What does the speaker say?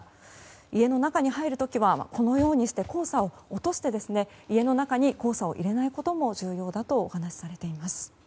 家の中に入る時は黄砂を落として家の中に黄砂を入れないことも重要だとお話しされています。